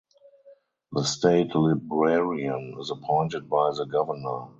The State Librarian is appointed by the Governor.